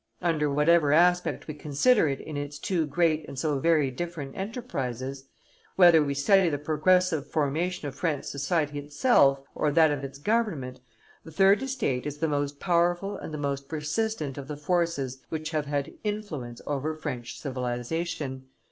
Under whatever aspect we consider it in its two great and so very different enterprises, whether we study the progressive formation of French society itself or that of its government, the third estate is the most powerful and the most persistent of the forces which have had influence over French civilization.